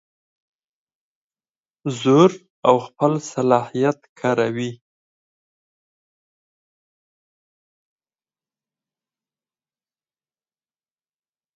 زور او خپل صلاحیت کاروي.